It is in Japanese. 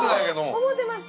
思ってました。